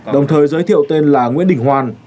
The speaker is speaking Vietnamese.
đồng thời giới thiệu tên là nguyễn đình hoan